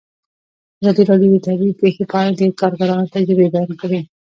ازادي راډیو د طبیعي پېښې په اړه د کارګرانو تجربې بیان کړي.